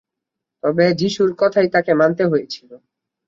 তবে যীশুর কথাই তাকে মানতে হয়েছিল।